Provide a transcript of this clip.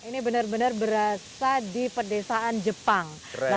ini bener bener berasa di pedesaan jepang